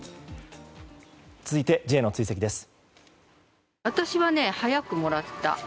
続いてＪの追跡です。